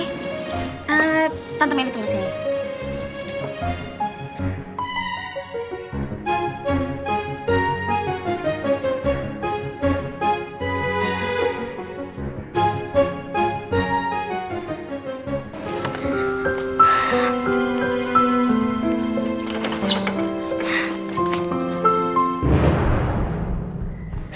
ehm tante mendy tunggu sini